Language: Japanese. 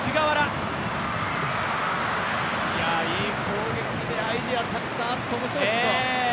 いい攻撃で、アイデアたくさんあって面白いです。